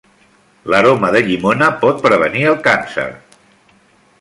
L'aroma de llimona pot prevenir el càncer.